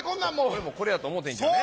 俺もこれやと思うてんけどね。